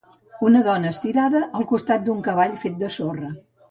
Una dona estirada al costat d'un cavall fet de sorra.